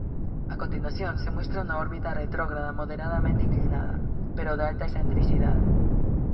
A continuación se muestra una órbita retrógrada moderadamente inclinada, pero de alta excentricidad.